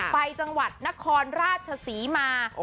ไปจังหวัดนครราชศรีมา